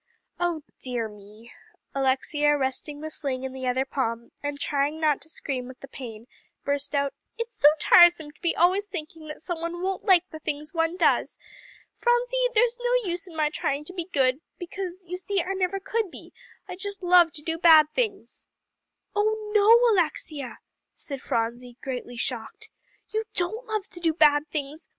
"Oh dear me!" Alexia, resting the sling in the other palm, and trying not to scream with the pain, burst out, "It's so tiresome to be always thinking that some one won't like things one does. Phronsie, there's no use in my trying to be good, because, you see, I never could be. I just love to do bad things." "Oh no, Alexia," said Phronsie greatly shocked, "you don't love to do bad things.